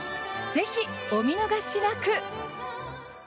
ぜひ、お見逃しなく！